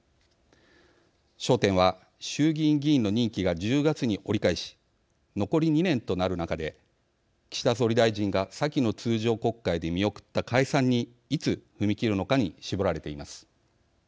焦点は、衆議院議員の任期が１０月に折り返し残り２年となる中で岸田総理大臣が先の通常国会で見送った解散にいつ踏み切るのかに絞られています。